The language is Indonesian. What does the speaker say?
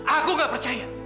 aku gak percaya